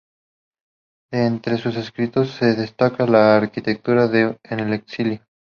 De entre sus escritos, se destaca "La arquitectura en el exilio".